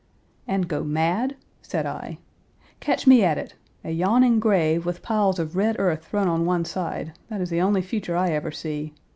"And go mad?" said I. "Catch me at it! A yawning grave, with piles of red earth thrown on one side; that is the only future I ever see.